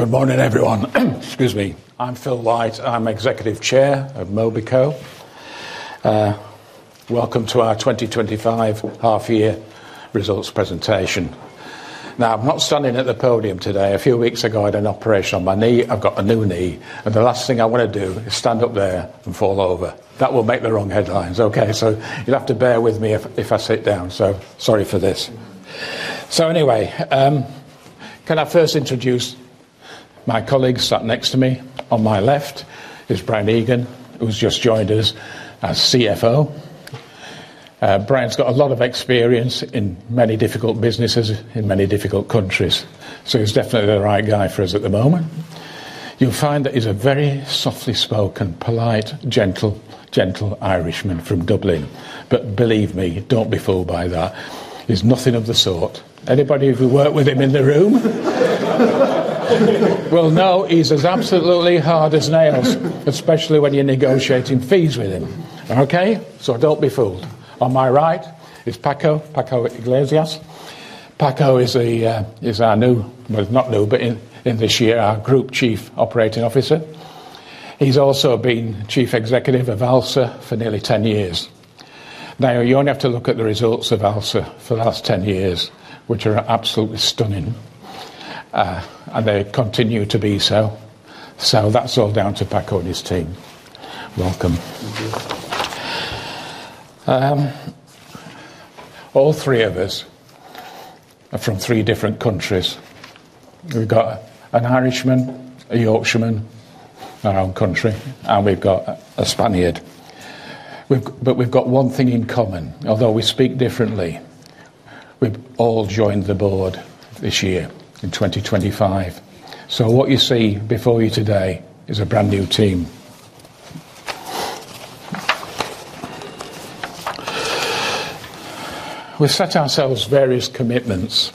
Good morning, everyone. Excuse me, I'm Phil White. I'm Executive Chair of Mobico. Welcome to our 2025 Half-Year Results Presentation. Now, I'm not standing at the podium today. A few weeks ago, I had an operation on my knee. I've got a new knee, and the last thing I want to do is stand up there and fall over. That will make the wrong headlines. You'll have to bear with me if I sit down. Sorry for this. Anyway, can I first introduce my colleague? Sat next to me on my left? It's Brian Egan, who's just joined us as CFO. Brian's got a lot of experience in many difficult businesses in many difficult countries. He's definitely the right guy for us at the moment. You'll find that he's a very softly spoken, polite, gentle Irishman from Dublin. Believe me, don't be fooled by that. He's nothing of the sort. Anybody who worked with him in the room will know he's as absolutely hard as nails, especially when you're negotiating fees with him. Don't be fooled. On my right is Paco, Paco Iglesias. Paco is our new, well, not new, but in this year, our Group Chief Operating Officer. He's also been Chief Executive of ALSA for nearly 10 years. You only have to look at the results of ALSA for the last 10 years, which are absolutely stunning, and they continue to be so. That's all down to Paco and his team. Welcome. Thank you. All three of us are from three different countries. We've got an Irishman, a Yorkshireman, our own country, and we've got a Spaniard. We've got one thing in common, although we speak differently. We've all joined the board this year in 2025. What you see before you today is a brand new team. We set ourselves various commitments.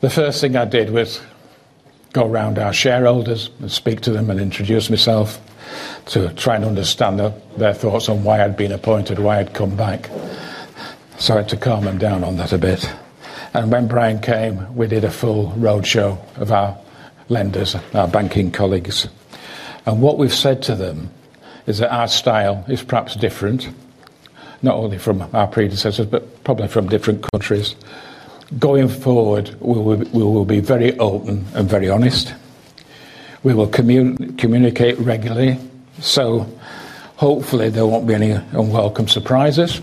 The first thing I did was go around our shareholders and speak to them and introduce myself to try and understand their thoughts on why I'd been appointed, why I'd come back. I had to calm them down on that a bit. When Brian came, we did a full roadshow of our lenders, our banking colleagues. What we've said to them is that our style is perhaps different, not only from our predecessors, but probably from different countries. Going forward, we will be very open and very honest. We will communicate regularly. Hopefully, there won't be any unwelcome surprises.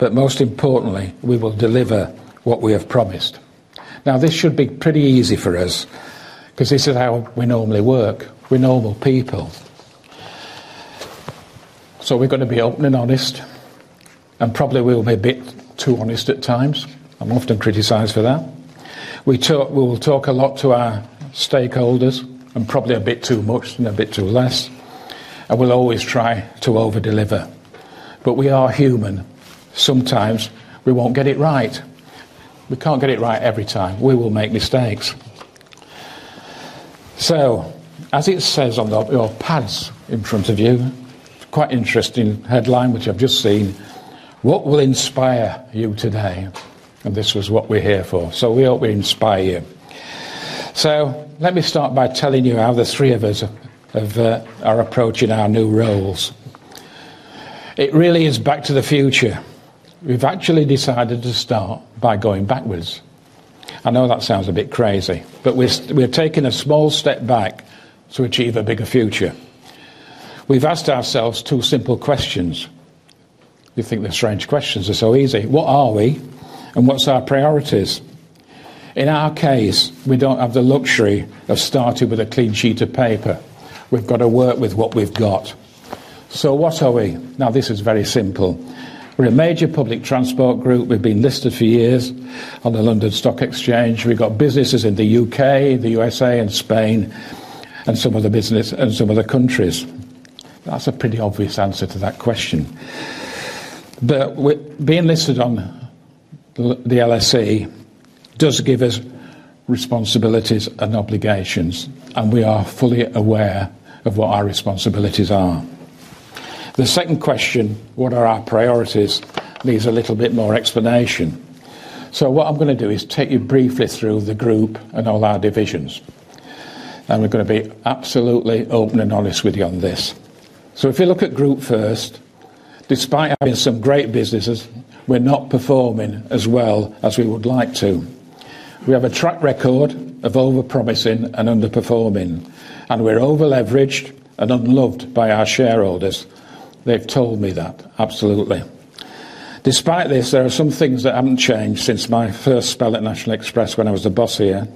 Most importantly, we will deliver what we have promised. This should be pretty easy for us because this is how we normally work. We're normal people. We're going to be open and honest. We will probably be a bit too honest at times. I'm often criticized for that. We will talk a lot to our stakeholders and probably a bit too much and a bit too less. We'll always try to overdeliver. We are human. Sometimes we won't get it right. We can't get it right every time. We will make mistakes. As it says on your pads in front of you, quite an interesting headline, which I've just seen: What will inspire you today? This is what we're here for. We hope we inspire you. Let me start by telling you how the three of us are approaching our new roles. It really is back to the future. We've actually decided to start by going backwards. I know that sounds a bit crazy, but we're taking a small step back to achieve a bigger future. We've asked ourselves two simple questions. You think they're strange questions. They're so easy. What are we? What's our priorities? In our case, we don't have the luxury of starting with a clean sheet of paper. We've got to work with what we've got. What are we? This is very simple. We're a major public transport group. We've been listed for years on the London Stock Exchange. We've got businesses in the U.K., the USA, and Spain, and some of the businesses in some of the countries. That's a pretty obvious answer to that question. Being listed on the LSE does give us responsibilities and obligations, and we are fully aware of what our responsibilities are. The second question, what are our priorities, needs a little bit more explanation. I'm going to take you briefly through the group and all our divisions. We're going to be absolutely open and honest with you on this. If you look at group first, despite having some great businesses, we're not performing as well as we would like to. We have a track record of overpromising and underperforming, and we're overleveraged and unloved by our shareholders. They've told me that, absolutely. Despite this, there are some things that haven't changed since my first spell at National Express when I was the boss here.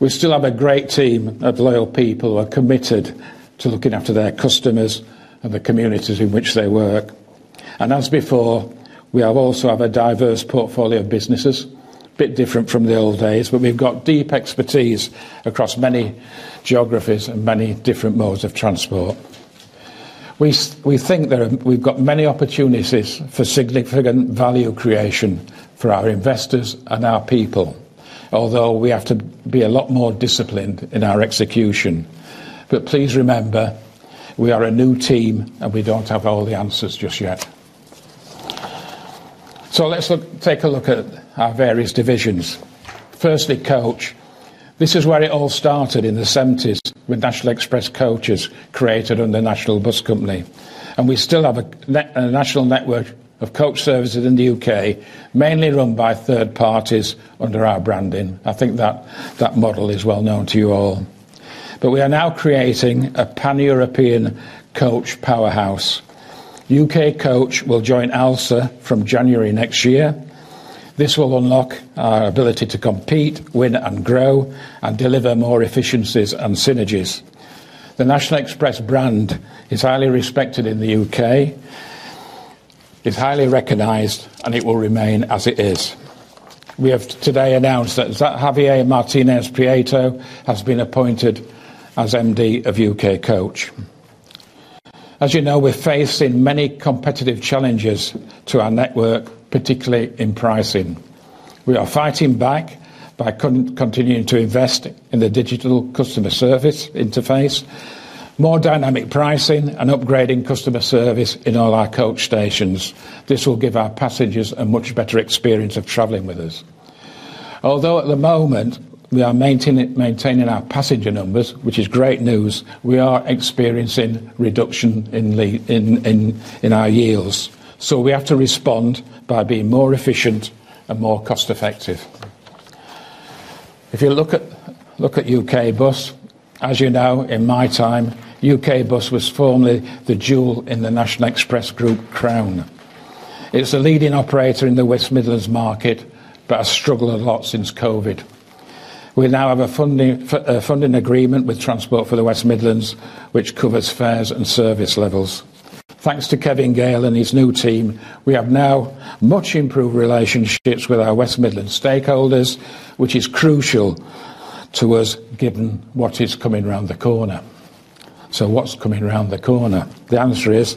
We still have a great team of loyal people who are committed to looking after their customers and the communities in which they work. As before, we also have a diverse portfolio of businesses, a bit different from the old days, but we've got deep expertise across many geographies and many different modes of transport. We think that we've got many opportunities for significant value creation for our investors and our people, although we have to be a lot more disciplined in our execution. Please remember, we are a new team and we don't have all the answers just yet. Let's take a look at our various divisions. Firstly, Coach. This is where it all started in the '70s when National Express Coaches was created under National Bus Company. We still have a national network of Coach services in the U.K., mainly run by third parties under our branding. I think that model is well known to you all. We are now creating a pan-European Coach powerhouse. UK Coach will join ALSA from January next year. This will unlock our ability to compete, win, and grow, and deliver more efficiencies and synergies. The National Express brand is highly respected in the U.K.. It's highly recognized, and it will remain as it is. We have today announced that Javier Martinez Prieto has been appointed as Managing Director of UK Coach. As you know, we're facing many competitive challenges to our network, particularly in pricing. We are fighting back by continuing to invest in the digital customer service interface, more dynamic pricing, and upgrading customer service in all our Coach stations. This will give our passengers a much better experience of traveling with us. Although at the moment, we are maintaining our passenger numbers, which is great news, we are experiencing a reduction in our yields. We have to respond by being more efficient and more cost-effective. If you look at UK Bus, as you know, in my time, UK Bus was formerly the jewel in the National Express Group crown. It is a leading operator in the West Midlands market, but has struggled a lot since COVID. We now have a funding agreement with Transport for the West Midlands, which covers fares and service levels. Thanks to Kevin Gale and his new team, we have now much improved relationships with our West Midlands stakeholders, which is crucial to us given what is coming around the corner. What's coming around the corner? The answer is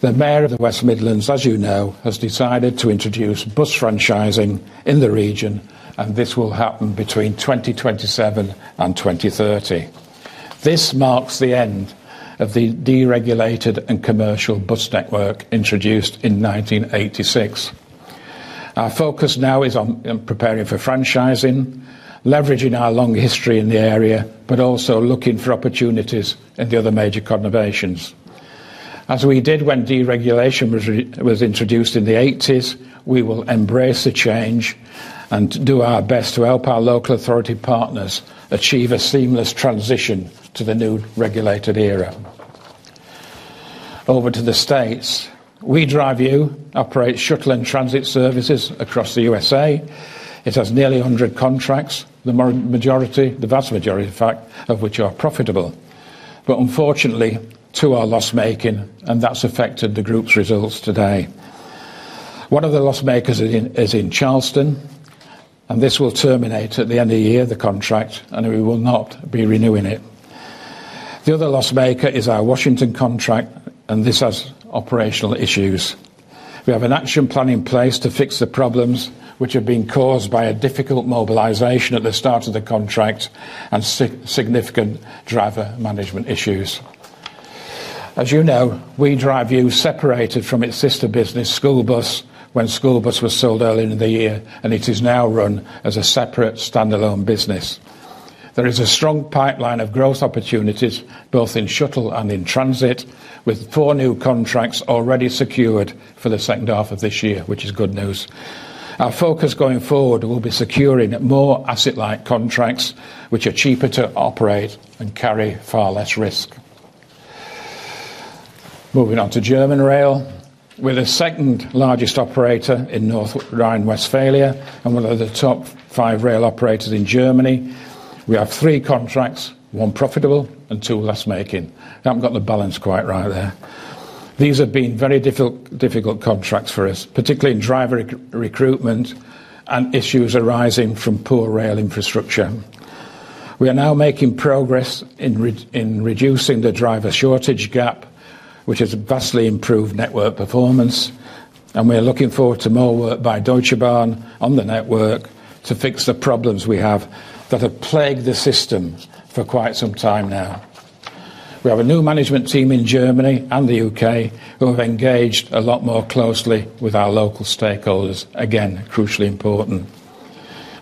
the Mayor of the West Midlands, as you know, has decided to introduce bus franchising in the region, and this will happen between 2027 and 2030. This marks the end of the deregulated and commercial bus network introduced in 1986. Our focus now is on preparing for franchising, leveraging our long history in the area, but also looking for opportunities in the other major conurbations. As we did when deregulation was introduced in the 1980s, we will embrace the change and do our best to help our local authority partners achieve a seamless transition to the new regulated era. Over to the States, WeDriveU operates shuttle and transit services across the USA. It has nearly 100 contracts, the vast majority of which are profitable. Unfortunately, two are loss-making, and that's affected the group's results today. One of the loss-makers is in Charleston, and this will terminate at the end of the year, the contract, and we will not be renewing it. The other loss-maker is our Washington contract, and this has operational issues. We have an action plan in place to fix the problems which have been caused by a difficult mobilization at the start of the contract and significant driver management issues. As you know, WeDriveU separated from its sister business, School Bus, when School Bus was sold earlier in the year, and it is now run as a separate standalone business. There is a strong pipeline of growth opportunities, both in shuttle and in transit, with four new contracts already secured for the second half of this year, which is good news. Our focus going forward will be securing more asset-like contracts, which are cheaper to operate and carry far less risk. Moving on to German Rail, we're the second largest operator in North Rhine-Westphalia and one of the top five rail operators in Germany. We have three contracts, one profitable and two loss-making. I haven't got the balance quite right there. These have been very difficult contracts for us, particularly in driver recruitment and issues arising from poor rail infrastructure. We are now making progress in reducing the driver shortage gap, which has vastly improved network performance. We are looking forward to more work by Deutsche Bahn on the network to fix the problems we have that have plagued the systems for quite some time now. We have a new management team in Germany and the U.K. who have engaged a lot more closely with our local stakeholders. Again, crucially important.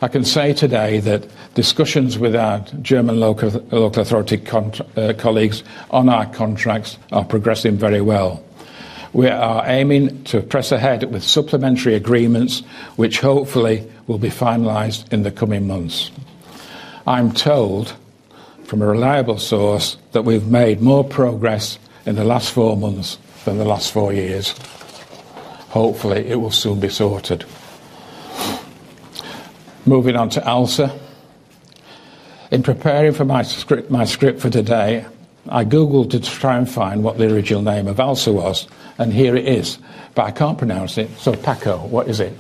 I can say today that discussions with our German local authority colleagues on our contracts are progressing very well. We are aiming to press ahead with supplementary agreements, which hopefully will be finalized in the coming months. I'm told from a reliable source that we've made more progress in the last four months than the last four years. Hopefully, it will soon be sorted. Moving on to ALSA. In preparing for my script for today, I Googled to try and find what the original name of ALSA was, and here it is. I can't pronounce it, so Paco, what is it?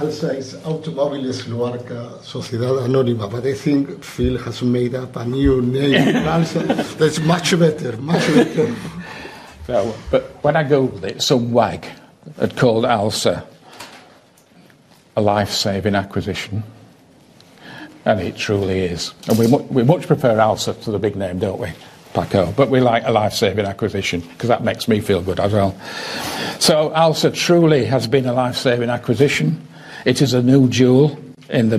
ALSA is Automóviles Luarca, S.A, but I think Phil has made up a new name. It's much better, much better. When I Googled it, some wag had called ALSA a lifesaving acquisition, and it truly is. We much prefer ALSA to the big name, don't we, Paco, but we like a lifesaving acquisition because that makes me feel good as well. ALSA truly has been a lifesaving acquisition. It is a new jewel in the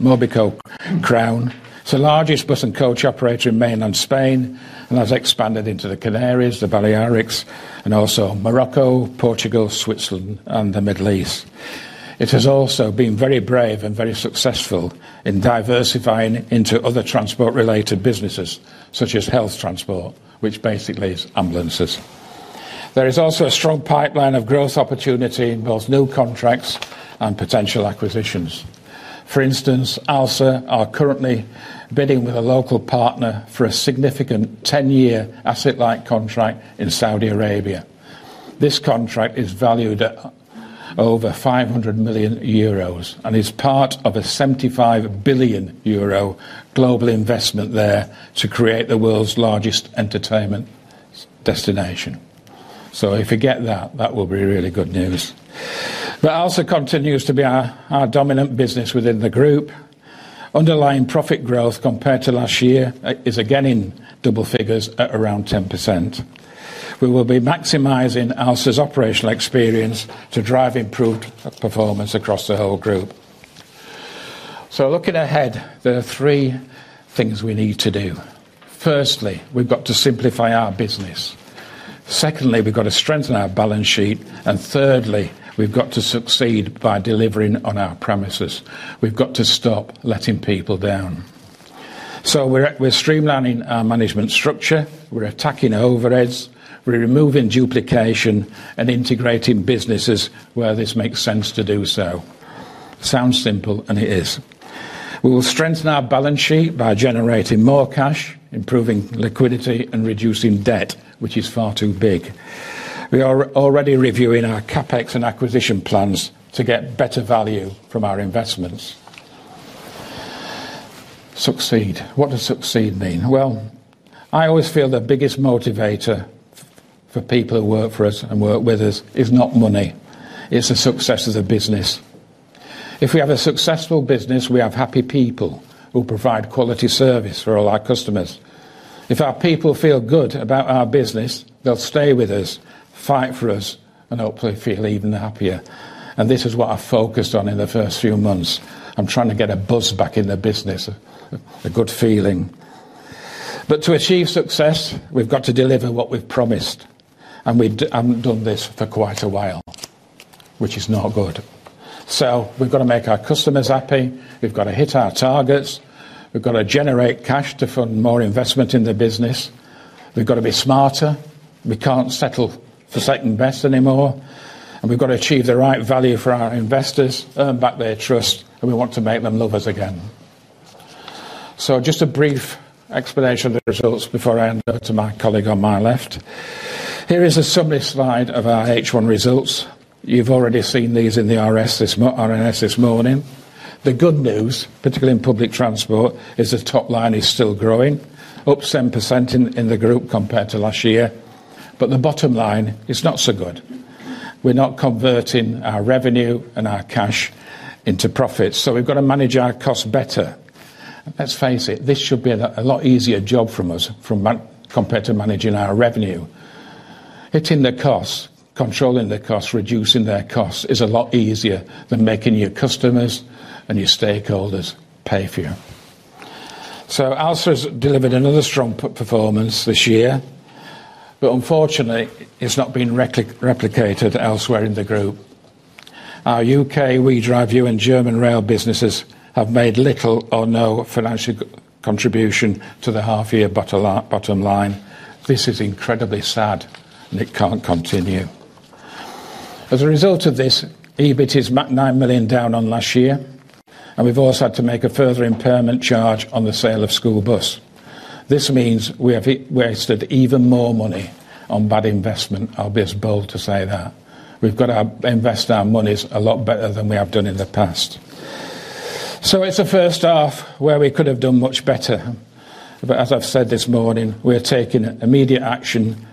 Mobico crown. It's the largest bus and Coach operator in mainland Spain and has expanded into the Canary Islands, the Balearics, and also Morocco, Portugal, Switzerland, and the Middle East. It has also been very brave and very successful in diversifying into other transport-related businesses, such as health transport, which basically is ambulances. There is also a strong pipeline of growth opportunity in both new contracts and potential acquisitions. For instance, ALSA are currently bidding with a local partner for a significant 10-year asset-light contract in Saudi Arabia. This contract is valued at over 500 million euros and is part of a 75 billion euro global investment there to create the world's largest entertainment destination. If you get that, that will be really good news. ALSA continues to be our dominant business within the group. Underlying profit growth compared to last year is again in double figures at around 10%. We will be maximizing ALSA's operational experience to drive improved performance across the whole group. Looking ahead, there are three things we need to do. Firstly, we've got to simplify our business. Secondly, we've got to strengthen our balance sheet. Thirdly, we've got to succeed by delivering on our promises. We've got to stop letting people down. We're streamlining our management structure. We're attacking overheads. We're removing duplication and integrating businesses where this makes sense to do so. It sounds simple, and it is. We will strengthen our balance sheet by generating more cash, improving liquidity, and reducing debt, which is far too big. We are already reviewing our capex and acquisition plans to get better value from our investments. Succeed. What does succeed mean? I always feel the biggest motivator for people who work for us and work with us is not money. It's the success of the business. If we have a successful business, we have happy people who provide quality service for all our customers. If our people feel good about our business, they'll stay with us, fight for us, and hopefully feel even happier. This is what I focused on in the first few months. I'm trying to get a buzz back in the business, a good feeling. To achieve success, we've got to deliver what we've promised. We haven't done this for quite a while, which is not good. We've got to make our customers happy. We've got to hit our targets. We've got to generate cash to fund more investment in the business. We've got to be smarter. We can't settle for second best anymore. We've got to achieve the right value for our investors, earn back their trust, and we want to make them love us again. Just a brief explanation of the results before I hand over to my colleague on my left. Here is a summary slide of our H1 results. You've already seen these in the RNS this morning. The good news, particularly in public transport, is the top line is still growing, up 7% in the group compared to last year. The bottom line is not so good. We're not converting our revenue and our cash into profits. We've got to manage our costs better. Let's face it, this should be a lot easier job for us compared to managing our revenue. Hitting the costs, controlling the costs, reducing their costs is a lot easier than making new customers and new stakeholders pay for you. ALSA has delivered another strong performance this year. Unfortunately, it's not been replicated elsewhere in the group. Our U.K., WeDriveU, and German Rail businesses have made little or no financial contribution to the half-year bottom line. This is incredibly sad, and it can't continue. As a result of this, EBIT is about 9 million down on last year. We've also had to make a further impairment charge on the sale of the School Bus business. This means we have wasted even more money on bad investment. I'll be as bold to say that. We've got to invest our money a lot better than we have done in the past. It's a first half where we could have done much better. As I've said this morning, we're taking immediate action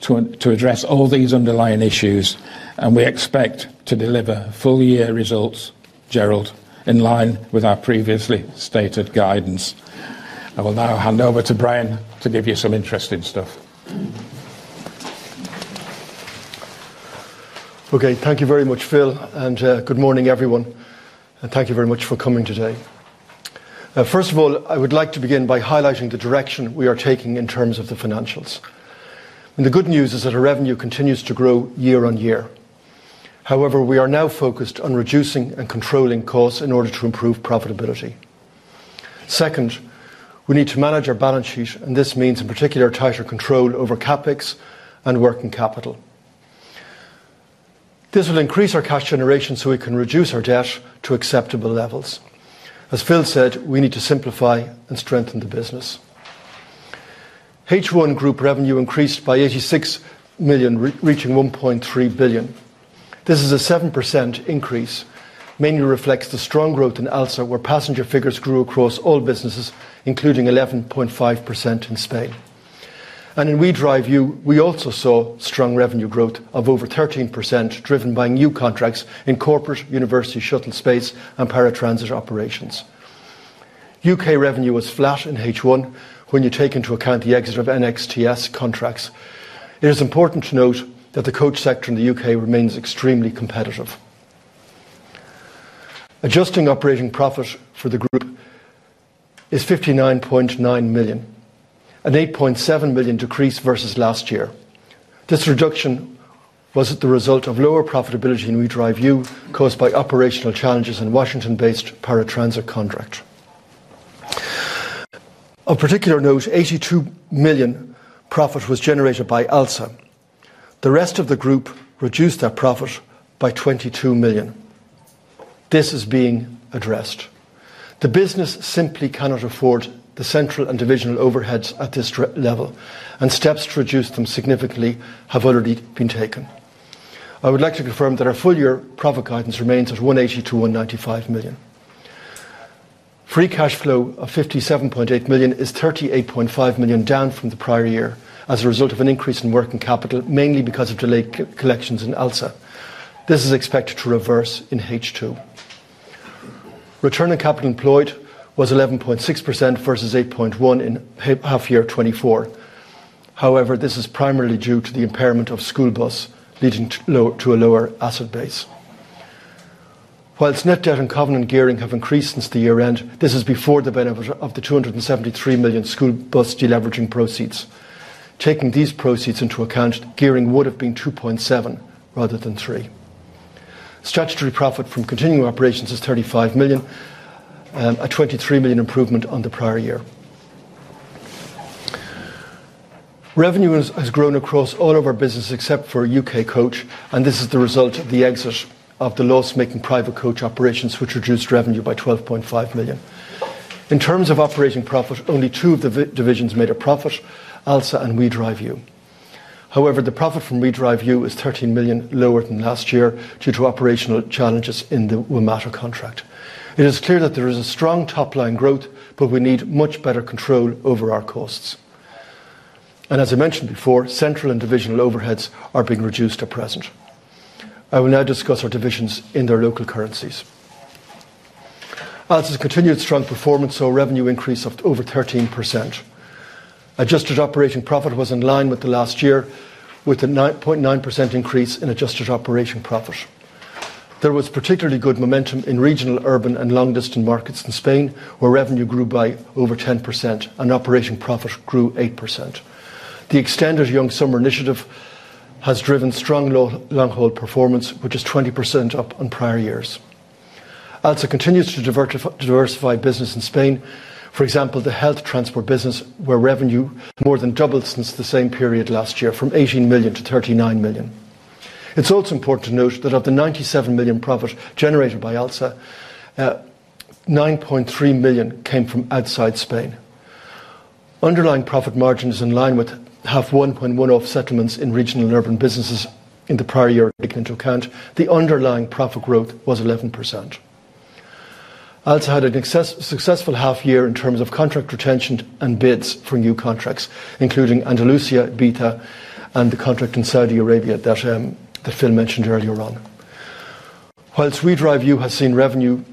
to address all these underlying issues. We expect to deliver full-year results, Gerald, in line with our previously stated guidance. I will now hand over to Brian to give you some interesting stuff. Okay, thank you very much, Phil, and good morning, everyone. Thank you very much for coming today. First of all, I would like to begin by highlighting the direction we are taking in terms of the financials. The good news is that our revenue continues to grow year-on-year. However, we are now focused on reducing and controlling costs in order to improve profitability. Second, we need to manage our balance sheet, and this means a particular tighter control over capex and working capital. This will increase our cash generation so we can reduce our debt to acceptable levels. As Phil said, we need to simplify and strengthen the business. H1 Group revenue increased by 86 million, reaching 1.3 billion. This is a 7% increase, mainly reflects the strong growth in ALSA, where passenger figures grew across all businesses, including 11.5% in Spain. In WeDriveU, we also saw strong revenue growth of over 13%, driven by new contracts in corporate, university, shuttle space, and paratransit operations. U.K. revenue was flat in H1 when you take into account the exit of NXTS contracts. It is important to note that the Coach sector in the U.K. remains extremely competitive. Adjusted operating profit for the group is 59.9 million, an 8.7 million decrease versus last year. This reduction was the result of lower profitability in WeDriveU caused by operational challenges in Washington-based paratransit contracts. Of particular note, 82 million profit was generated by ALSA. The rest of the group reduced their profit by 22 million. This is being addressed. The business simply cannot afford the central and divisional overheads at this level, and steps to reduce them significantly have already been taken. I would like to confirm that our full-year profit guidance remains at 180 to 195 million. Free cash flow of 57.8 million is 38.5 million down from the prior year as a result of an increase in working capital, mainly because of delayed collections in ALSA. This is expected to reverse in H2. Return on capital employed was 11.6% versus 8.1% in half-year 2024. However, this is primarily due to the impairment of Schoolbus, leading to a lower asset base. Whilst net debt and carbon and gearing have increased since the year-end, this is before the benefit of the 273 million Schoolbus deleveraging proceeds. Taking these proceeds into account, gearing would have been 2.7% rather than 3%. Strategy profit from continuing operations is 35 million, a 23 million improvement on the prior year. Revenue has grown across all of our businesses except for UK Coach, and this is the result of the exit of the loss-making private Coach operations, which reduced revenue by 12.5 million. In terms of operating profit, only two of the divisions made a profit: ALSA and WeDriveU. However, the profit from WeDriveU is 13 million lower than last year due to operational challenges in the Wilmata contract. It is clear that there is a strong top-line growth, but we need much better control over our costs. As I mentioned before, central and divisional overheads are being reduced at present. I will now discuss our divisions in their local currencies. ALSA's continued strong performance saw revenue increase of over 13%. Adjusted operating profit was in line with last year, with a 9.9% increase in adjusted operating profit. There was particularly good momentum in regional, urban, and long-distance markets in Spain, where revenue grew by over 10% and operating profit grew 8%. The extended Young Summer Initiative has driven strong long-haul performance, which is 20% up on prior years. ALSA continues to diversify business in Spain, for example, the health transport business, where revenue more than doubled since the same period last year from 18 million to 39 million. It's also important to note that of the 97 million profit generated by ALSA, 9.3 million came from outside Spain. Underlying profit margin is in line with H1 2023, with settlements in regional and urban businesses in the prior year taken into account. The underlying profit growth was 11%. ALSA had a successful half-year in terms of contract retention and bids for new contracts, including Andalucia, Ibiza, and the contract in Saudi Arabia that Phil mentioned earlier. Whilst WeDriveU has seen revenue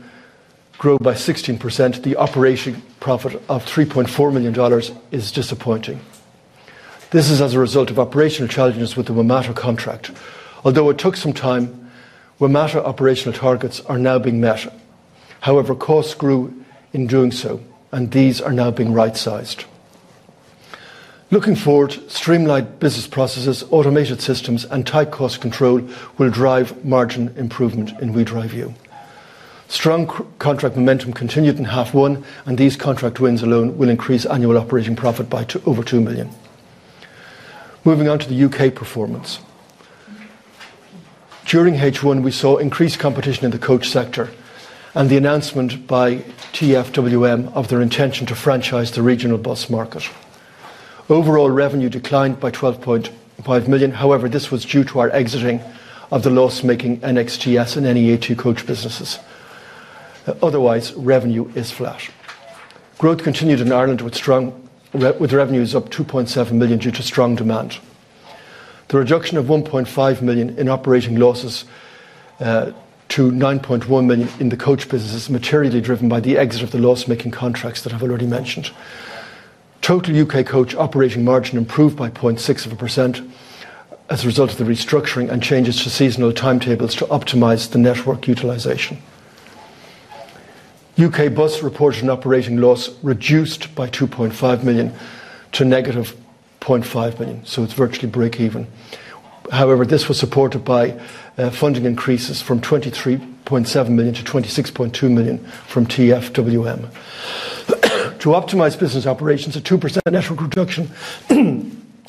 grow by 16%, the operating profit of $3.4 million is disappointing. This is as a result of operational challenges with the Wilmata contract. Although it took some time, Wilmata operational targets are now being met. However, costs grew in doing so, and these are now being right-sized. Looking forward, streamlined business processes, automated systems, and tight cost control will drive margin improvement in WeDriveU. Strong contract momentum continued in H1, and these contract wins alone will increase annual operating profit by over $2 million. Moving on to the U.K. performance. During H1, we saw increased competition in the Coach sector and the announcement by TFWM of their intention to franchise the regional bus market. Overall revenue declined by 12.5 million. However, this was due to our exiting of the loss-making NXTS and any A2 Coach businesses. Otherwise, revenue is flat. Growth continued in Ireland with revenues up 2.7 million due to strong demand. The reduction of 1.5 million in operating losses to 9.1 million in the Coach business is materially driven by the exit of the loss-making contracts that I've already mentioned. Total UK Coach operating margin improved by 0.6% as a result of the restructuring and changes to seasonal timetables to optimize the network utilization. UK Bus reported an operating loss reduced by 2.5 million to -0.5 million, so it's virtually break-even. However, this was supported by funding increases from 23.7 million to 26.2 million from TFWM. To optimize business operations, a 2% network reduction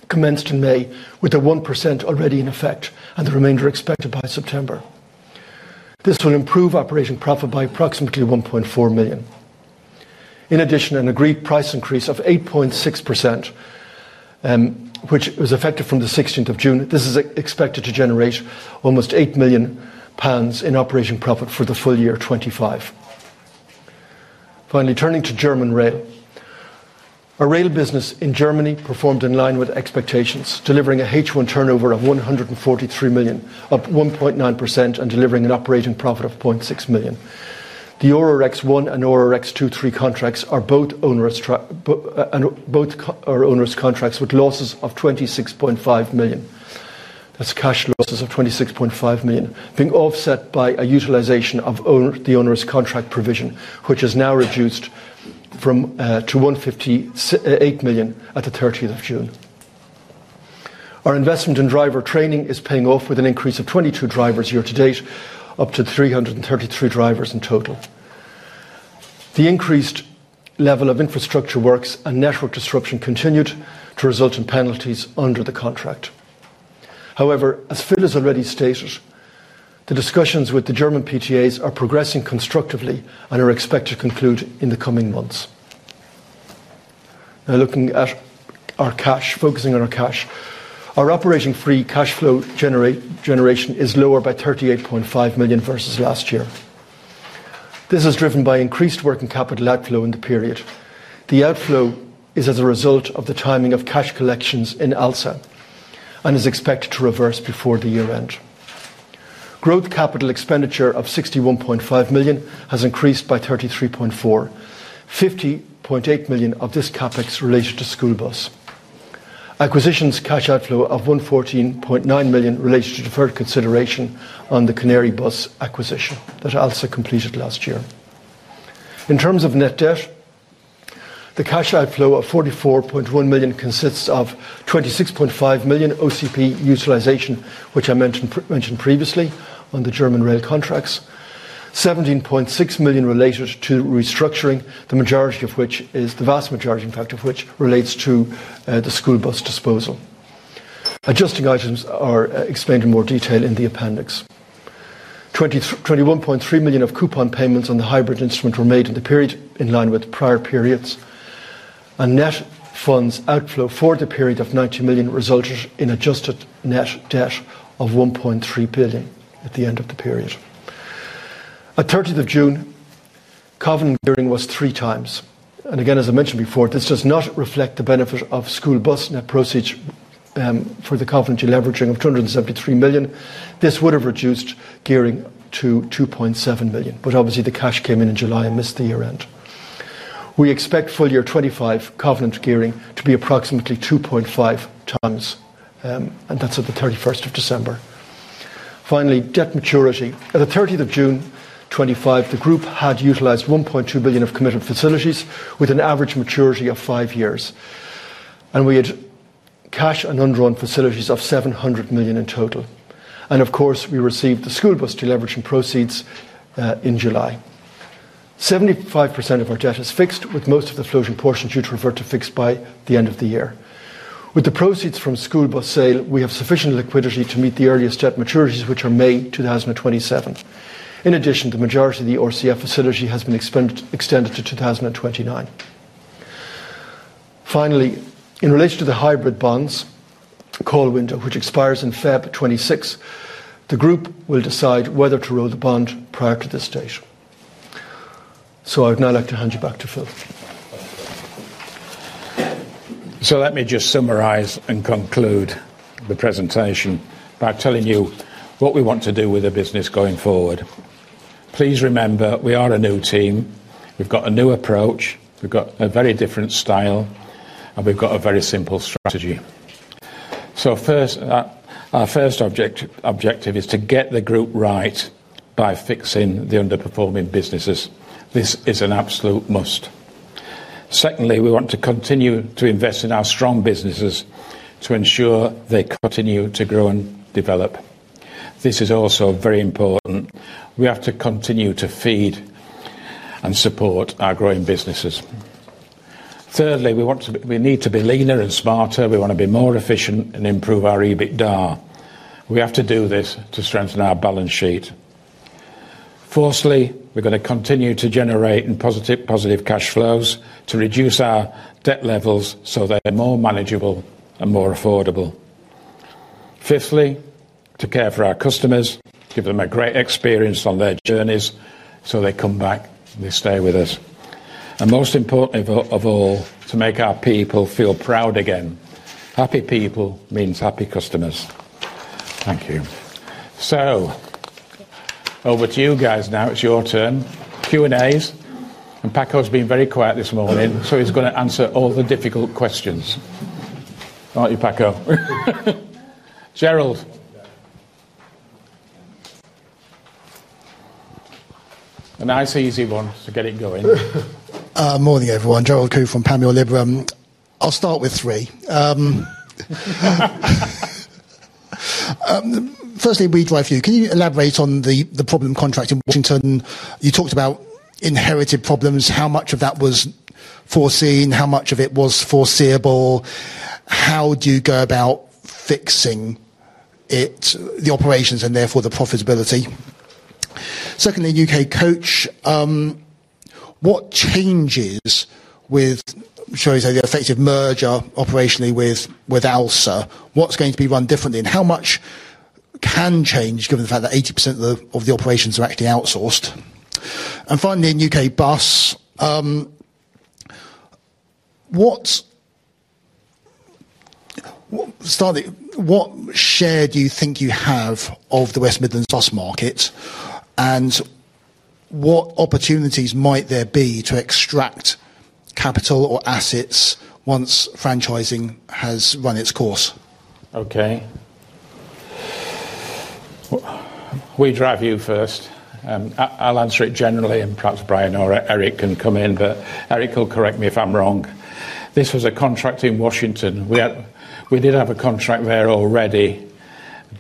commenced in May with the 1% already in effect, and the remainder expected by September. This will improve operating profit by approximately 1.4 million. In addition, an agreed price increase of 8.6%, which was effective from the 16th of June, is expected to generate almost 8 million pounds in operating profit for the full year 2025. Finally, turning to German Rail, our rail business in Germany performed in line with expectations, delivering a H1 turnover of 143 million, up 1.9%, and delivering an operating profit of 0.6 million. The ORX1 and ORX2/3 contracts are both onerous contracts with losses of 26.5 million. There are cash losses of 26.5 million, being offset by a utilization of the onerous contract provision, which is now reduced to 158 million at the 30th of June. Our investment in driver training is paying off with an increase of 22 drivers year to date, up to 333 drivers in total. The increased level of infrastructure works and network disruption continued to result in penalties under the contract. However, as Phil has already stated, the discussions with the German PTAs are progressing constructively and are expected to conclude in the coming months. Now, looking at our cash, focusing on our cash, our operating free cash flow generation is lower by 38.5 million versus last year. This is driven by increased working capital outflow in the period. The outflow is as a result of the timing of cash collections in ALSA and is expected to reverse before the year-end. Growth capital expenditure of 61.5 million has increased by 33.4%. 50.8 million of this capex related to Schoolbus. Acquisitions cash outflow of 114.9 million related to deferred consideration on the Canary Bus acquisition that ALSA completed last year. In terms of net debt, the cash outflow of 44.1 million consists of 26.5 million OCP utilization, which I mentioned previously on the German Rail contracts, 17.6 million related to restructuring, the majority of which is the vast majority, in fact, of which relates to the Schoolbus disposal. Adjusting items are explained in more detail in the appendix. 21.3 million of coupon payments on the hybrid instrument were made in the period in line with prior periods. A net funds outflow for the period of 90 million resulted in adjusted net debt of 1.3 billion at the end of the period. At 30th of June, covenant and gearing was 3x. As I mentioned before, this does not reflect the benefit of Schoolbus net proceeds for the covenant deleveraging of 273 million. This would have reduced gearing to 2.7x, but obviously, the cash came in in July and missed the year-end. We expect full-year 2025 covenant and gearing to be approximately 2.5x, and that's at the 31st of December. Finally, debt maturity. At the 30th of June 2025, the group had utilized 1.2 billion of committed facilities with an average maturity of 5 years. We had cash and undrawn facilities of 700 million in total. Of course, we received the Schoolbus deleveraging proceeds in July. 75% of our debt is fixed, with most of the floating portion due to revert to fixed by the end of the year. With the proceeds from the Schoolbus sale, we have sufficient liquidity to meet the earliest debt maturities, which are May 2027. In addition, the majority of the ORCF facility has been extended to 2029. Finally, in relation to the hybrid bonds call window, which expires in February 2026, the group will decide whether to roll the bond prior to this stage. I would now like to hand you back to Phil. Let me just summarize and conclude the presentation by telling you what we want to do with the business going forward. Please remember, we are a new team. We've got a new approach. We've got a very different style, and we've got a very simple strategy. Our first objective is to get the group right by fixing the underperforming businesses. This is an absolute must. Secondly, we want to continue to invest in our strong businesses to ensure they continue to grow and develop. This is also very important. We have to continue to feed and support our growing businesses. Thirdly, we need to be leaner and smarter. We want to be more efficient and improve our EBITDA. We have to do this to strengthen our balance sheet. Fourthly, we're going to continue to generate positive cash flows to reduce our debt levels so they're more manageable and more affordable. Fifthly, to care for our customers, give them a great experience on their journeys so they come back and they stay with us. Most importantly of all, to make our people feel proud again. Happy people means happy customers. Thank you. Over to you guys now. It's your turn. Q&As. Paco's been very quiet this morning, so he's going to answer all the difficult questions. Aren't you, Paco? Gerald? A nice, easy one to get it going. Morning, everyone. Gerald Khoo from Panmure Liberum. I'll start with three. Firstly, WeDriveU, can you elaborate on the problem contract in Washington? You talked about inherited problems. How much of that was foreseen? How much of it was foreseeable? How do you go about fixing the operations and therefore the profitability? Secondly, UK Coach, what changes with, shall we say, the effective merger operationally with ALSA? What's going to be run differently? How much can change given the fact that 80% of the operations are actually outsourced? Finally, in UK Bus, what share do you think you have of the West Midlands bus market? What opportunities might there be to extract capital or assets once franchising has run its course? Okay. WeDriveU first. I'll answer it generally, and perhaps Brian or Erik can come in, but Erik will correct me if I'm wrong. This was a contract in Washington. We did have a contract there already,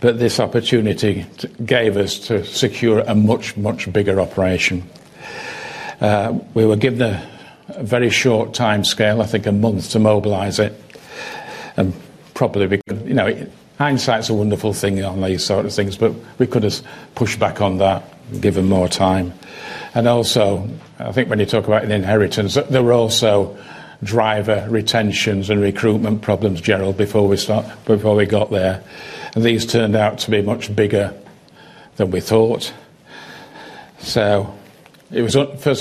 but this opportunity gave us to secure a much, much bigger operation. We were given a very short timescale, I think a month to mobilize it. Hindsight's a wonderful thing on these sorts of things, but we could have pushed back on that and given more time. Also, I think when you talk about the inheritance, there were also driver retentions and recruitment problems, Gerald, before we got there. These turned out to be much bigger than we thought. First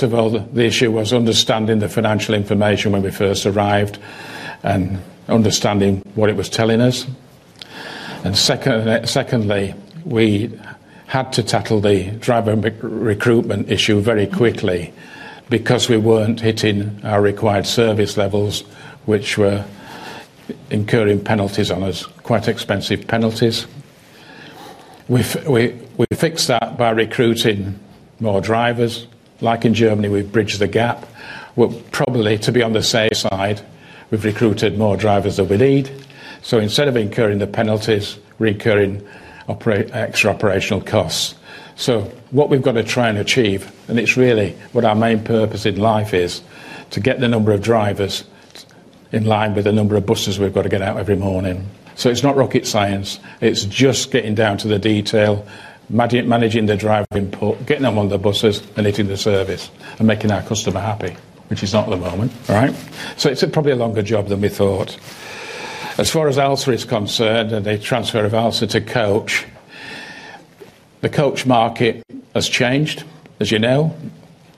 of all, the issue was understanding the financial information when we first arrived and understanding what it was telling us. Secondly, we had to tackle the driver recruitment issue very quickly because we weren't hitting our required service levels, which were incurring penalties on us, quite expensive penalties. We fixed that by recruiting more drivers. Like in Germany, we bridged the gap. We're probably, to be on the safe side, we've recruited more drivers than we need. Instead of incurring the penalties, we're incurring extra operational costs. What we've got to try and achieve, and it's really what our main purpose in life is, is to get the number of drivers in line with the number of buses we've got to get out every morning. It's not rocket science. It's just getting down to the detail, managing the driving port, getting on all the buses, and hitting the service, and making our customer happy, which is not the moment, all right? It's probably a longer job than we thought. As far as ALSA is concerned, and the transfer of ALSA to Coach, the Coach market has changed. As you know,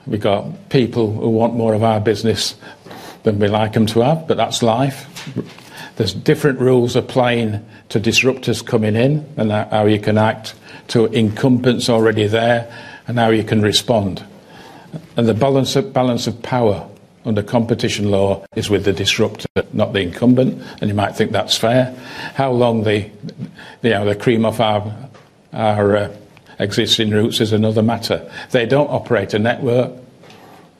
we've got people who want more of our business than we like them to have, but that's life. There are different rules of play to disruptors coming in and how you can act to incumbents already there and how you can respond. The balance of power under competition law is with the disruptor, not the incumbent. You might think that's fair. How long they cream off our existing routes is another matter. They don't operate a network.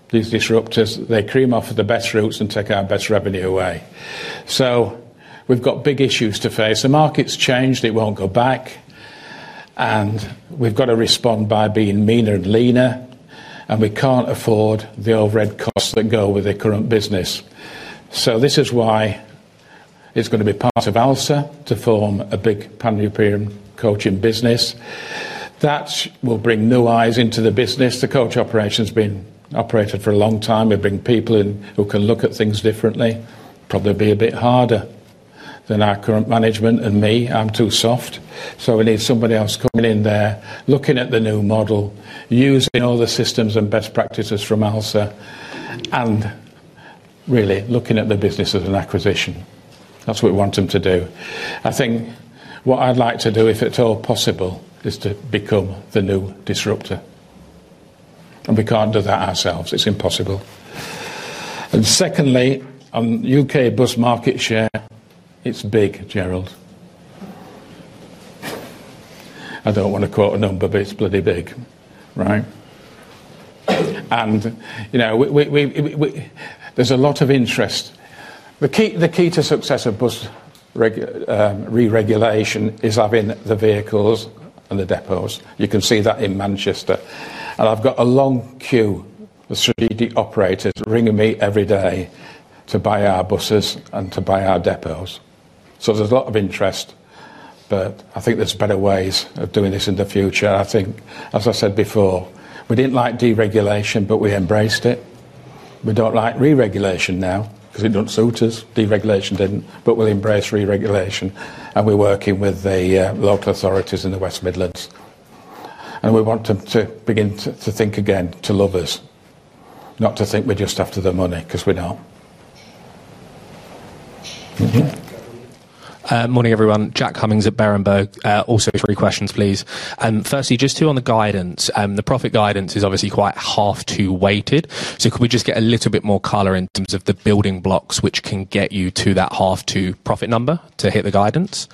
These disruptors, they cream off the best routes and take our best revenue away. We've got big issues to face. The market's changed. It won't go back. We've got to respond by being meaner and leaner. We can't afford the overhead costs that go with the current business. This is why it's going to be part of ALSA to form a big pan-European Coaching business. That will bring new eyes into the business. The Coach operation's been operated for a long time. It brings people in who can look at things differently. Probably be a bit harder than our current management and me. I'm too soft. We need somebody else coming in there, looking at the new model, using all the systems and best practices from ALSA, and really looking at the business as an acquisition. That's what we want them to do. I think what I'd like to do, if at all possible, is to become the new disruptor. We can't do that ourselves. It's impossible. Secondly, on UK Bus market share, it's big, Gerald. I don't want to quote a number, but it's bloody big, right? There's a lot of interest. The key to success of bus re-regulation is having the vehicles and the depots. You can see that in Manchester. I've got a long queue of strategic operators ringing me every day to buy our buses and to buy our depots. There's a lot of interest, but I think there's better ways of doing this in the future. As I said before, we didn't like deregulation, but we embraced it. We don't like re-regulation now because it didn't suit us. Deregulation didn't, but we'll embrace re-regulation. We're working with the local authorities in the West Midlands. We want them to begin to think again, to love us, not to think we're just after the money because we're not. Morning, everyone. Jack Cummings at Berenberg. Also, three questions, please. Firstly, just two on the guidance. The profit guidance is obviously quite H2 weighted. Could we just get a little bit more color in terms of the building blocks which can get you to that H2 profit number to hit the guidance?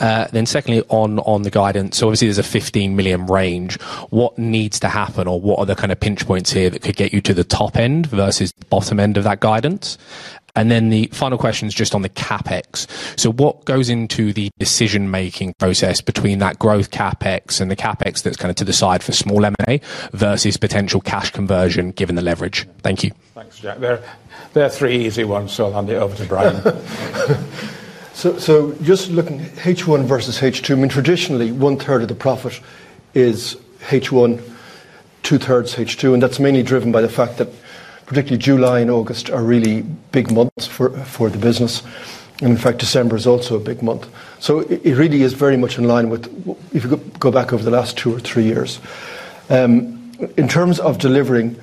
Secondly, on the guidance, obviously there's a 15 million range. What needs to happen or what are the kind of pinch points here that could get you to the top end versus bottom end of that guidance? The final question is just on the CapEx. What goes into the decision-making process between that growth CapEx and the CapEx that's kind of to the side for small M&A versus potential cash conversion given the leverage? Thank you. Thanks, Jack. There are three easy ones, so I'll hand it over to Brian. Just looking at H1 versus H2, traditionally, 1/3 of the profit is H1, 2/3 H2. That is mainly driven by the fact that particularly July and August are really big months for the business. In fact, December is also a big month. It really is very much in line with, if you go back over the last two or three years. In terms of delivering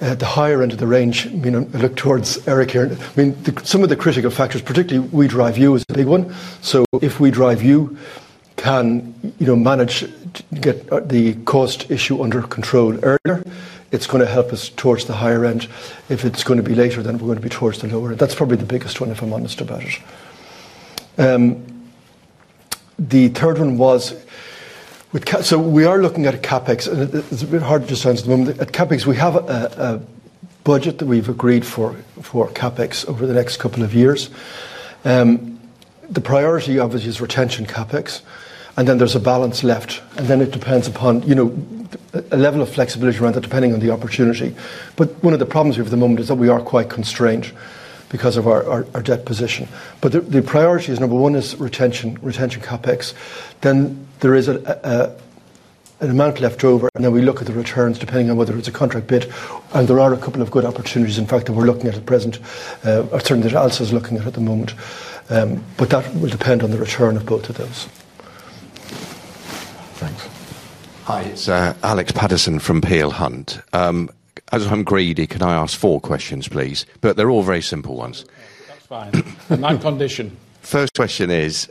at the higher end of the range, I look towards Erik here. Some of the critical factors, particularly WeDriveU, is a big one. If WeDriveU can manage to get the cost issue under control earlier, it's going to help us towards the higher end. If it's going to be later, then we're going to be towards the lower. That's probably the biggest one, if I'm honest about it. The third one was, we are looking at capex. It's a bit hard to just answer at the moment. At capex, we have a budget that we've agreed for capex over the next couple of years. The priority, obviously, is retention capex. Then there's a balance left. It depends upon a level of flexibility around that, depending on the opportunity. One of the problems here at the moment is that we are quite constrained because of our debt position. The priority is, number one, retention capex. Then there is an amount left over. Then we look at the returns, depending on whether it's a contract bid. There are a couple of good opportunities, in fact, that we're looking at at the present. Certainly, the answer is looking at it at the moment. That will depend on the return of both of those. Thanks. Hi, it's Alex Paterson from Peel Hunt. As I'm greedy, can I ask four questions, please? They're all very simple ones. That's fine, on my condition. First question is,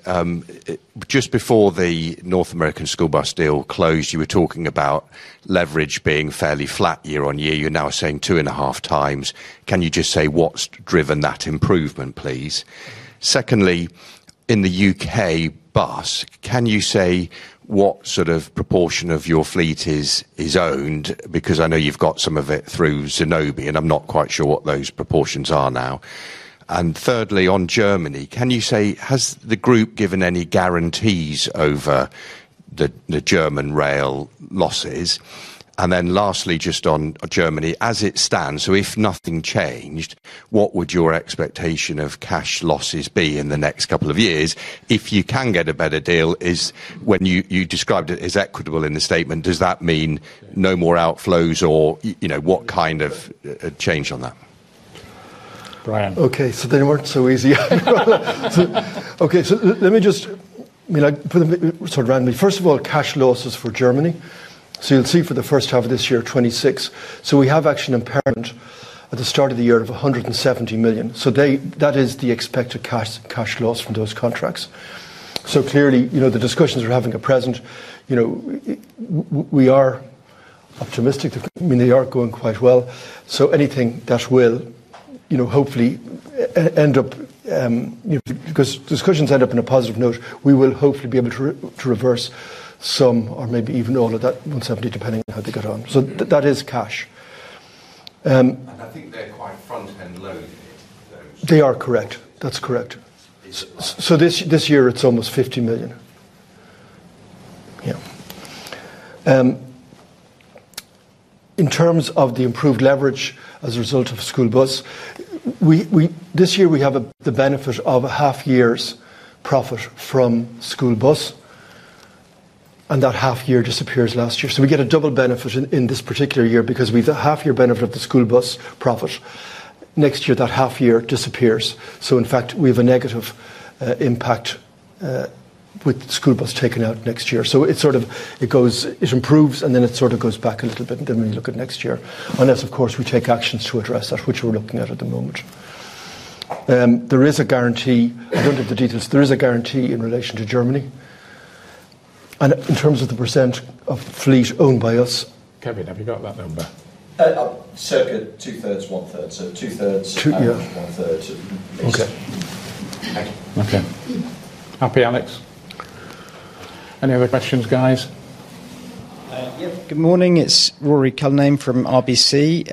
just before the North America School Bus deal closed, you were talking about leverage being fairly flat year-on-year. You're now saying 2.5x. Can you just say what's driven that improvement, please? Secondly, in the UK Bus, can you say what sort of proportion of your fleet is owned? I know you've got some of it through Zenobi, and I'm not quite sure what those proportions are now. Thirdly, on Germany, can you say has the group given any guarantees over the German Rail losses? Lastly, just on Germany, as it stands, if nothing changed, what would your expectation of cash losses be in the next couple of years? If you can get a better deal, when you described it as equitable in the statement, does that mean no more outflows or, you know, what kind of change on that? Brian. Okay, so that didn't work so easy. Let me just, you know, put them sort of randomly. First of all, cash losses for Germany. You'll see for the first half of this year, $26 million. We have actually an impairment at the start of the year of $170 million. That is the expected cash loss from those contracts. Clearly, the discussions we're having at present, we are optimistic. I mean, they are going quite well. Anything that will hopefully end up, because discussions end up in a positive note, we will hopefully be able to reverse some or maybe even all of that $170 million, depending on how they get on. That is cash. I think they're quite front-end loaded. They are correct. That's correct. This year, it's almost $50 million. In terms of the improved leverage as a result of the School Bus, this year we have the benefit of a half-year's profit from the School Bus. That half-year disappears next year. We get a double benefit in this particular year because we have a half-year benefit of the School Bus profit. Next year, that half-year disappears. In fact, we have a negative impact with the School Bus taken out next year. It improves, and then it goes back a little bit. We look at next year, unless, of course, we take actions to address that, which we're looking at at the moment. There is a guarantee, I don't have the details, there is a guarantee in relation to German Rail. In terms of the percentage of fleet owned by us. Kevin, have you got that number? A second. Two-thirds, 1/3. Two-thirds, 1/3. Okay. Happy, Alex. Any other questions, guys? Yeah, good morning. It's Ruairi Cullinane from RBC.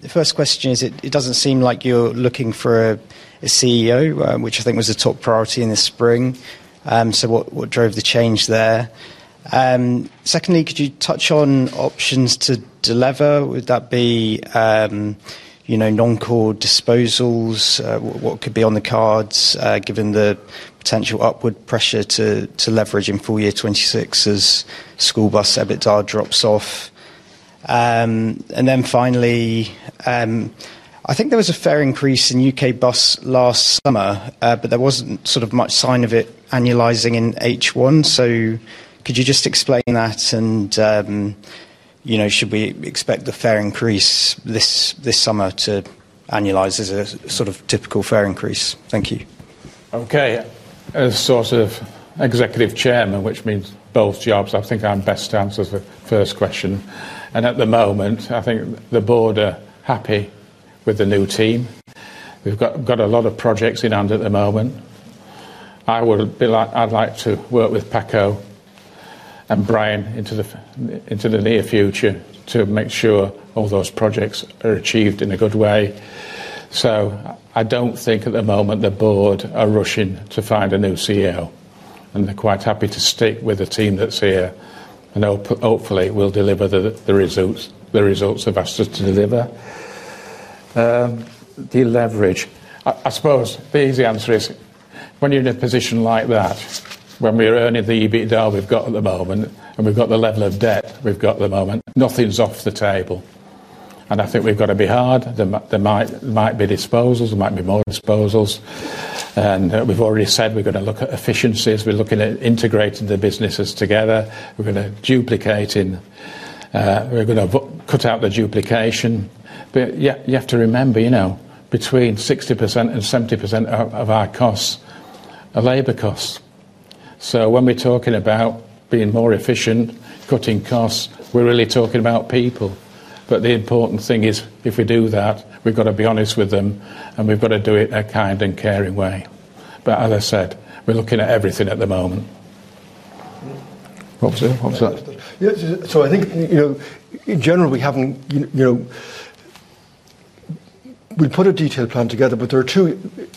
The first question is, it doesn't seem like you're looking for a CEO, which I think was a top priority in the spring. What drove the change there? Secondly, could you touch on options to delever? Would that be, you know, non-core disposals? What could be on the cards given the potential upward pressure to leverage in full year 2026 as School Bus EBITDA drops off? Finally, I think there was a fare increase in UK Bus last summer, but there wasn't much sign of it annualizing in H1. Could you just explain that? Should we expect the fare increase this summer to annualize as a typical fare increase? Thank you. Okay. As sort of Executive Chair, which means both jobs, I think I'm best to answer the first question. At the moment, I think the board are happy with the new team. We've got a lot of projects in hand at the moment. I would like to work with Paco and Brian into the near future to make sure all those projects are achieved in a good way. I don't think at the moment the board are rushing to find a new CEO. They're quite happy to stick with the team that's here and hopefully will deliver the results they've asked us to deliver. Deleverage. I suppose the easy answer is when you're in a position like that, when we're earning the EBITDA we've got at the moment, and we've got the level of debt we've got at the moment, nothing's off the table. I think we've got to be hard. There might be disposals, there might be more disposals. We've already said we're going to look at efficiencies. We're looking at integrating the businesses together. We're going to cut out the duplication. You have to remember, between 60%-70% of our costs are labor costs. When we're talking about being more efficient, cutting costs, we're really talking about people. The important thing is if we do that, we've got to be honest with them and we've got to do it in a kind and caring way. As I said, we're looking at everything at the moment. Yeah, so I think, in general, we haven't, you know, we put a detailed plan together, but there are two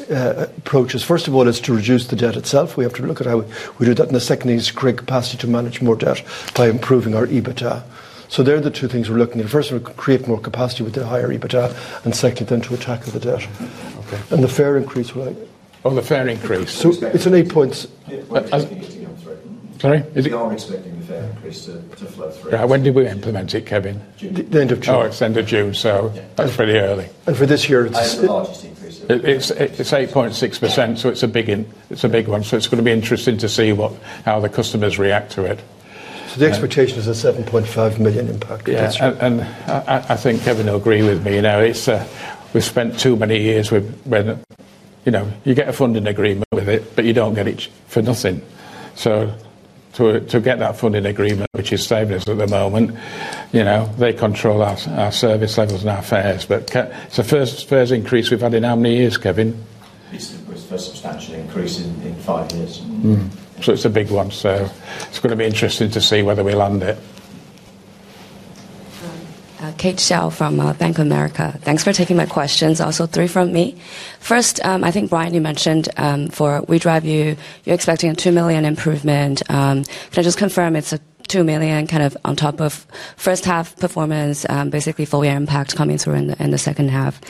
approaches. First of all, it's to reduce the debt itself. We have to look at how we do that. The second thing is create capacity to manage more debt by improving our EBITDA. They're the two things we're looking at. First, we'll create more capacity with the higher EBITDA, and second, then to attack the debt. Okay. The fare increase we're like. Oh, the fare increase. It's on 8 points. Sorry, when did we implement it, Kevin? The end of June. Oh, it's the end of June, so that's really early. For this year, it's. It's 8.6%. It's going to be interesting to see how the customers react to it. The expectation is a 7.5 million impact. Yes, and I think Kevin will agree with me. We spent too many years when you get a funding agreement with it, but you don't get it for nothing. To get that funding agreement, which is stable at the moment, they control our service levels and our fares. It's the first increase we've had in how many years, Kevin? It's the first substantial increase in five years. It is a big one. It is going to be interesting to see whether we land it. Kate Chow from Bank of America. Thanks for taking my questions. Also, three from me. First, I think Brian, you mentioned for WeDriveU, you're expecting a $2 million improvement. Can I just confirm it's a $2 million kind of on top of first half performance, basically full year impact coming through in the second half?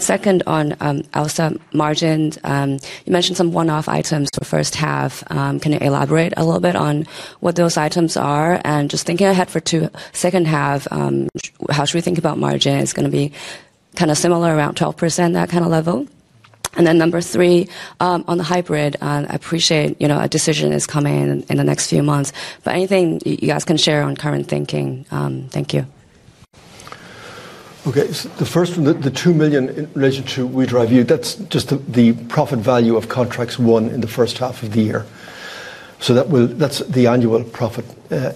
Second, on ALSA margins, you mentioned some one-off items to the first half. Can you elaborate a little bit on what those items are? Just thinking ahead for the second half, how should we think about margin? It's going to be kind of similar around 12%, that kind of level. Number three, on the hybrid, I appreciate, you know, a decision is coming in the next few months. Anything you guys can share on current thinking? Thank you. Okay, the first one, the $2 million in relation to WeDriveU, that's just the profit value of contracts won in the first half of the year. That's the annual profit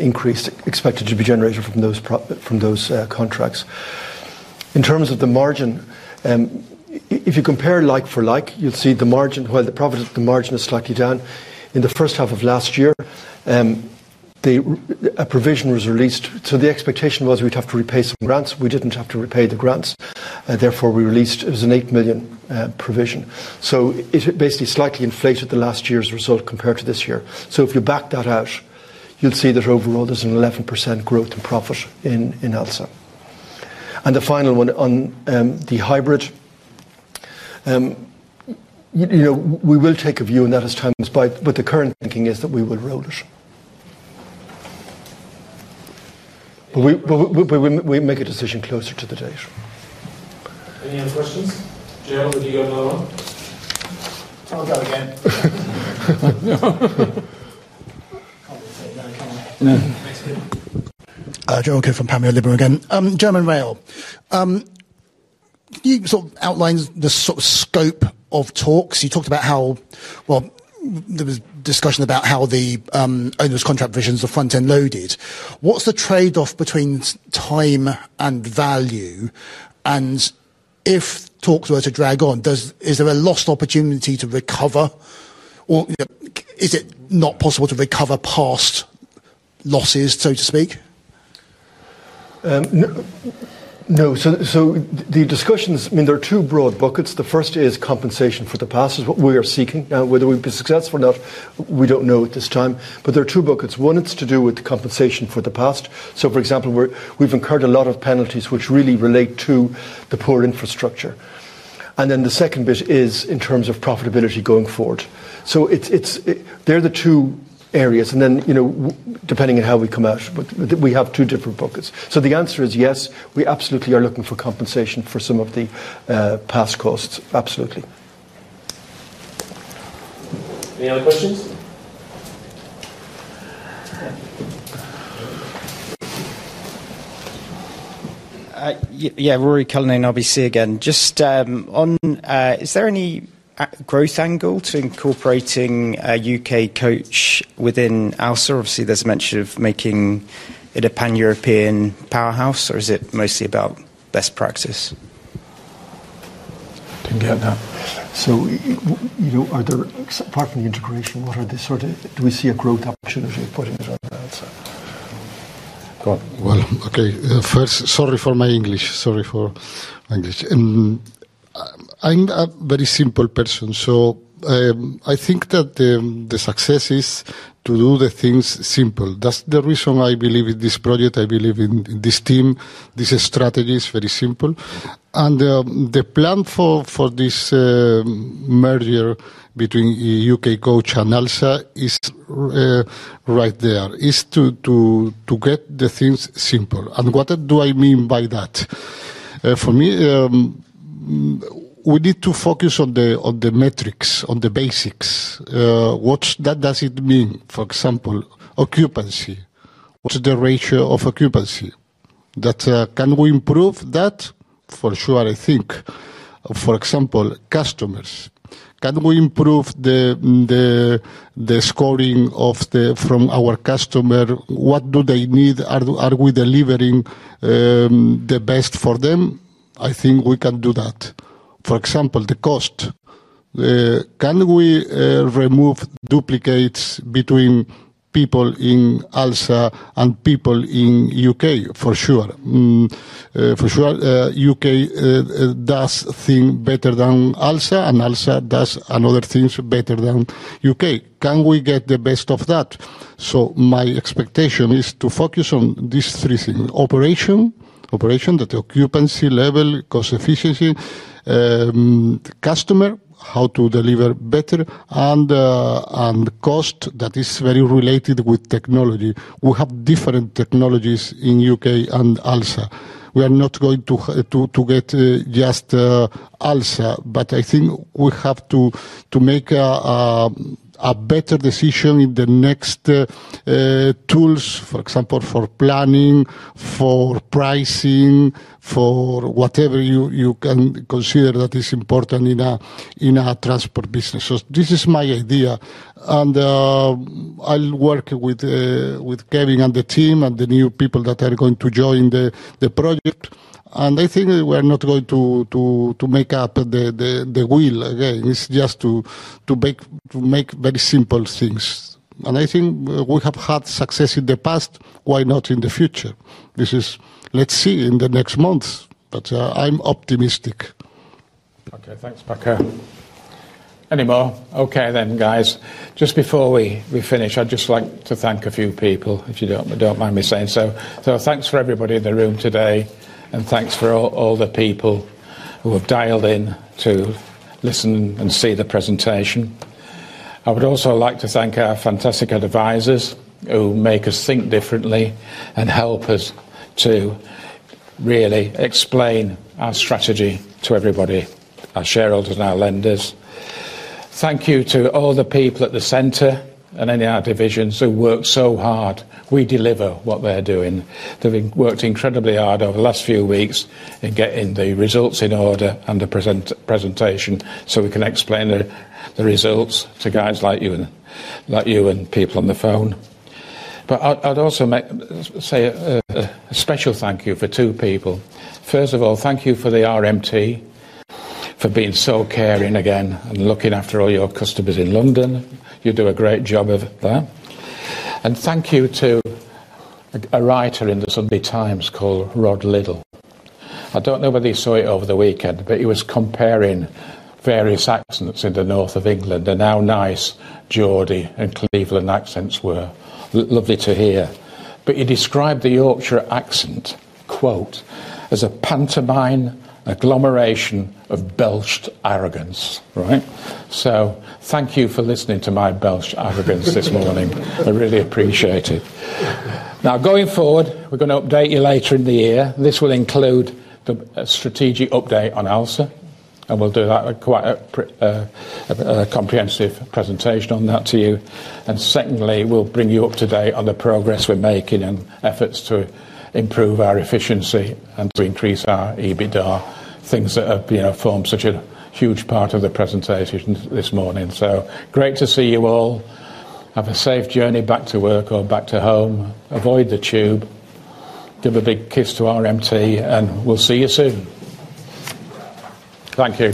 increase expected to be generated from those contracts. In terms of the margin, if you compare like for like, you'll see the margin, while the profit of the margin is slightly down. In the first half of last year, a provision was released. The expectation was we'd have to repay some grants. We didn't have to repay the grants, and therefore, we released, it was an $8 million provision. It basically slightly inflated last year's result compared to this year. If you back that out, you'll see that overall there's an 11% growth in profit in ALSA. The final one on the hybrid, we will take a view and that is timeless, but the current thinking is that we will roll this. We make a decision closer to the date. Any other questions? Gerald, what do you have now on? I know. Gerald Khoo from Panmure Liberum, again. German Rail. You sort of outlined the sort of scope of talks. You talked about how there was discussion about how the owners' contract visions are front-end loaded. What's the trade-off between time and value? If talks were to drag on, is there a lost opportunity to recover? Or is it not possible to recover past losses, so to speak? No. The discussions, I mean, there are two broad buckets. The first is compensation for the past. It's what we are seeking. Now, whether we've been successful or not, we don't know at this time. There are two buckets. One, it's to do with compensation for the past. For example, we've incurred a lot of penalties which really relate to the poor infrastructure. The second bit is in terms of profitability going forward. They're the two areas. Depending on how we come out, we have two different buckets. The answer is yes, we absolutely are looking for compensation for some of the past costs. Absolutely. Any other questions? Yeah, Ruairi Cullinane, RBC again. Just on, is there any growth angle to incorporating a UK Coach within ALSA? Obviously, there's a mention of making it a pan-European powerhouse, or is it mostly about best practice? I can get that. Are there, apart from the integration, what are the sort of, do we see a growth opportunity of putting it on the ALSA? First, sorry for my English. I'm a very simple person. I think that the success is to do the things simple. That's the reason I believe in this project. I believe in this team. This strategy is very simple. The plan for this merger between UK Coach and ALSA is right there. It's to get the things simple. What do I mean by that? For me, we need to focus on the metrics, on the basics. What does it mean? For example, occupancy. What's the ratio of occupancy? Can we improve that? For sure, I think. For example, customers. Can we improve the scoring from our customer? What do they need? Are we delivering the best for them? I think we can do that. For example, the cost. Can we remove duplicates between people in ALSA and people in the U.K.? For sure. For sure, U.K. does things better than ALSA, and ALSA does other things better than the U.K. Can we get the best of that? My expectation is to focus on these three things: operation, operation, the occupancy level, cost efficiency, customer, how to deliver better, and cost that is very related with technology. We have different technologies in the U.K. and ALSA. We are not going to get just ALSA, but I think we have to make a better decision in the next tools, for example, for planning, for pricing, for whatever you can consider that is important in a transport business. This is my idea. I'll work with Kevin and the team and the new people that are going to join the project. I think that we're not going to make up the wheel again. It's just to make very simple things. I think we have had success in the past. Why not in the future? Let's see in the next month. I'm optimistic. Okay, thanks, Paco. Any more? Okay, then, guys. Just before we finish, I'd just like to thank a few people, if you don't mind me saying. So thanks for everybody in the room today, and thanks for all the people who have dialed in to listen and see the presentation. I would also like to thank our fantastic advisors who make us think differently and help us to really explain our strategy to everybody, our shareholders and our lenders. Thank you to all the people at the center and in our divisions who work so hard. We deliver what they're doing. They've worked incredibly hard over the last few weeks in getting the results in order and the presentation so we can explain the results to guys like you and people on the phone. I'd also say a special thank you for two people. First of all, thank you for the RMT for being so caring again and looking after all your customers in London. You do a great job of that. Thank you to a writer in the Sunday Times called Rod Liddell. I don't know whether you saw it over the weekend, but he was comparing various accents in the north of England, and how nice Geordie and Cleveland accents were. Lovely to hear. He described the Yorkshire accent, "as a pantomime agglomeration of belched arrogance, right? Thank you for listening to my belched arrogance this morning. I really appreciate it. Now, going forward, we're going to update you later in the year. This will include a strategic update on ALSA, and we'll do that, quite a comprehensive presentation on that to you. Secondly, we'll bring you up to date on the progress we're making and efforts to improve our efficiency and to increase our EBITDA, things that have formed such a huge part of the presentation this morning. Great to see you all. Have a safe journey back to work or back to home. Avoid the tube. Give a big kiss to RMT, and we'll see you soon. Thank you.